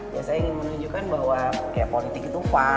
ya saya ingin menunjukkan bahwa ya politik itu fun